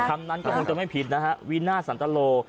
คำนั้นก็คงจะไม่ผิดนะฮะวินาทสันตโล